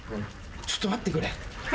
ちょっと待ってくれ。